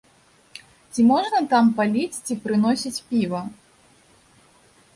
Ці можна там паліць ці прыносіць піва?